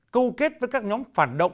câu kết với các nhóm phản động